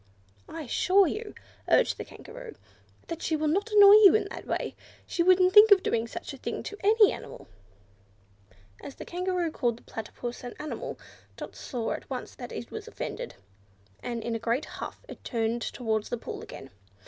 "I assure you," urged the Kangaroo, "that she will not annoy you in that way. She wouldn't think of doing such a thing to any animal." As the Kangaroo called the Platypus an animal, Dot saw at once that it was offended, and in a great huff it turned towards the pool again.